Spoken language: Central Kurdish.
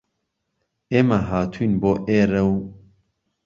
ئێمه هاتووین بۆ ئێره و